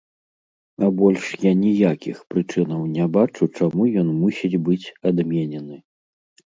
А больш я ніякіх прычынаў не бачу, чаму ён мусіць быць адменены.